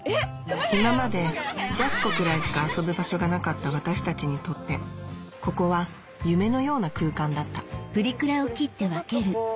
今までジャスコくらいしか遊ぶ場所がなかった私たちにとってここは夢のような空間だった私これずっと取っとこう。